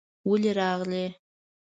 ولې راغلې؟